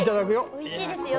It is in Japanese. おいしいですよ。